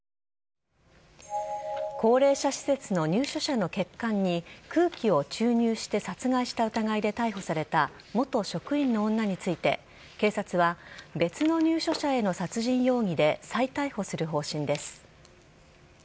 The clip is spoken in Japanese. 高齢者施設の入所者の血管に、空気を注入して殺害した疑いで逮捕された元職員の女について、警察は、別の入所者への殺人容疑で再逮捕する方針です。